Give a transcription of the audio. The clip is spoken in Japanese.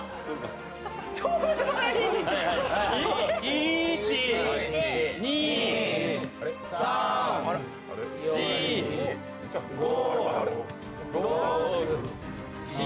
１、２、３、４、５、６